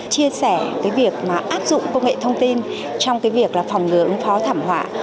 chia sẻ việc áp dụng công nghệ thông tin trong việc phòng ngừa ứng phó thảm họa